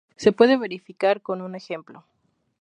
Se puede verificar con un ejemplo.